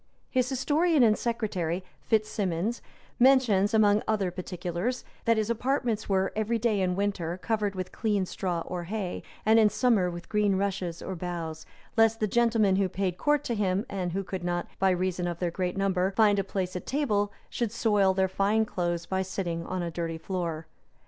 His historian and secretary, Fitz Stephens, mentions, among other particulars, that his apartments were every day in winter covered with clean straw or hay, and in summer with green rushes or boughs, lest the gentlemen who paid court to him and who could not, by reason of their great number, find a place at table, should soil their fine clothes by sitting on a dirty floor.